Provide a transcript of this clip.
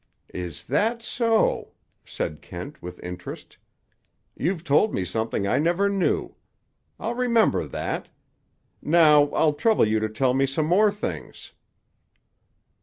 "Is that so?" said Kent with interest. "You've told me something I never knew. I'll remember that. Now I'll trouble you to tell me some more things."